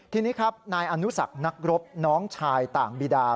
ทีนี้ครับนายอนุสักนักรบน้องชายต่างบีดา